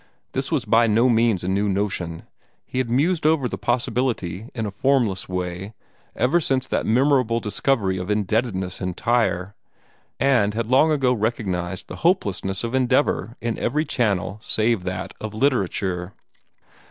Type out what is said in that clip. This was by no means a new notion. He had mused over the possibility in a formless way ever since that memorable discovery of indebtedness in Tyre, and had long ago recognized the hopelessness of endeavor in every channel save that of literature.